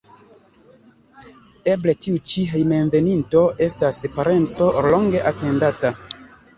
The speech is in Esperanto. Eble tiu ĉi hejmenveninto estas parenco longe atendata.